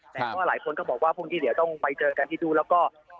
แต่ก็หลายคนก็บอกว่าพรุ่งนี้เดี๋ยวต้องไปเจอกันที่นู่นแล้วก็